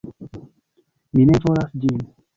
Mi ne volas ĝin!